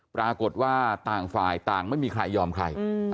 ปรากฏว่าต่างฝ่ายต่างไม่มีใครยอมใคร